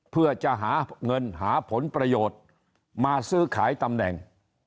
เพื่อจะหาเงินหาผลประโยชน์มาซื้อขายตำแหน่ง